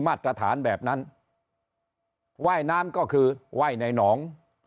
มาตรฐานแบบนั้นว่ายน้ำก็คือไหว้ในหนอง